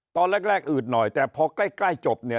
ตอนแรกอืดหน่อยแต่พอใกล้จบเนี่ย